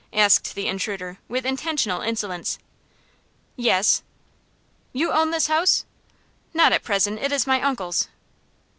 asked the intruder, with intentional insolence. "Yes." "You own this house?" "Not at present. It is my uncle's."